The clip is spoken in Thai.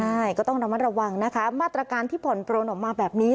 ใช่ก็ต้องระมัดระวังนะคะมาตรการที่ผ่อนปลนออกมาแบบนี้